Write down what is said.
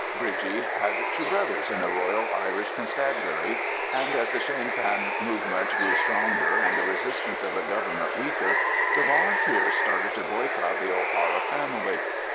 Bridgie had two brothers in the Royal Irish Constabulary, and as the Sinn Fein movement grew stronger and the resistance of the Government weaker, the Volunteers started to boycott the O'Hara family.